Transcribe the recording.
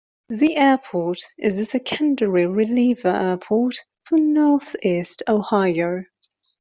The airport is a secondary "reliever" airport for Northeast Ohio.